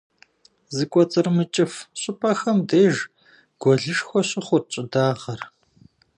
Зыкӏуэцӏрымыкӏыф щӏыпӏэхэм деж гуэлышхуэ щыхъурт щӏыдагъэр.